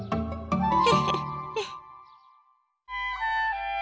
フフフ。